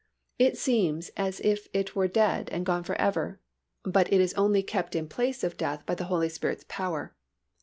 It seems as if it were dead and gone forever, but it is only kept in place of death by the Holy Spirit's power.